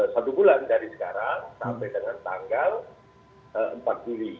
satu bulan dari sekarang sampai dengan tanggal empat juli